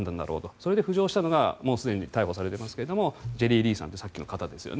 それで浮上したのがもうすでに逮捕されていますがジェリー・リーさんというさっきの方ですよね。